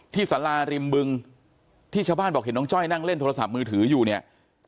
สาราริมบึงที่ชาวบ้านบอกเห็นน้องจ้อยนั่งเล่นโทรศัพท์มือถืออยู่เนี่ย